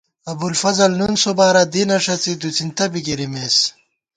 ابُوالفضل نُون سوبارہ دینہ ݭڅی دُوڅِنتہ بی گِرِمېس